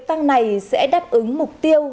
tăng này sẽ đáp ứng mục tiêu